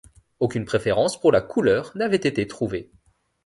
Aucune préférence pour la couleur n'avait été trouvée.